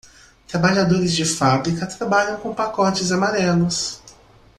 Trabalhadores de fábrica trabalham com pacotes amarelos.